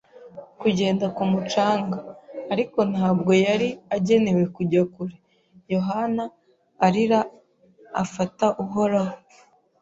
kugenda ku mucanga. Ariko ntabwo yari agenewe kujya kure. Yohana arira, afata Uhoraho